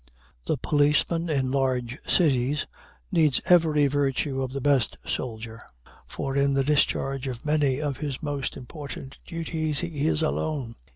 The policeman in large cities needs every virtue of the best soldier, for in the discharge of many of his most important duties he is alone.